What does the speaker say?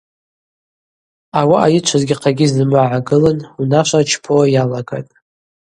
Ауаъа йычвазгьи-хъагьи зымгӏва гӏагылын унашва рчпауа йалагатӏ.